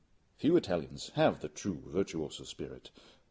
Few Italians have the true virtuoso spirit.